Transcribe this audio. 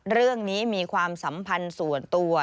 เรื่องนี้มีความสัมพันธ์ส่วนตัว